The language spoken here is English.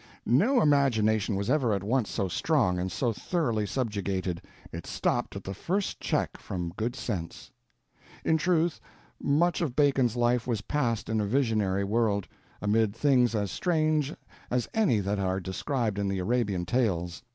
No imagination was ever at once so strong and so thoroughly subjugated. It stopped at the first check from good sense. In truth, much of Bacon's life was passed in a visionary world—amid things as strange as any that are described in the Arabian Tales...